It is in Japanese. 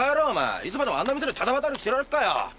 いつまでもあんな店でただ働きしてられっかよ。